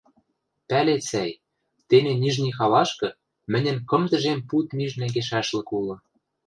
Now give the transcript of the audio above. Пӓлет, сӓй, тене Нижний халашкы мӹньӹн кым тӹжем пуд миж нӓнгешӓшлык улы.